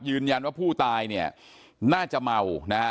ยืนยันว่าผู้ตายเนี่ยน่าจะเมานะฮะ